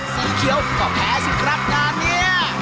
สีเขียวก็แพ้สุดครับการเนี่ย